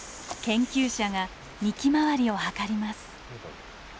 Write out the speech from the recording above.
研究者が幹周りを測ります。